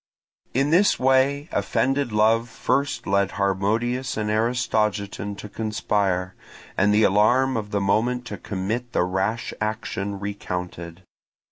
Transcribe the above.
In this way offended love first led Harmodius and Aristogiton to conspire, and the alarm of the moment to commit the rash action recounted.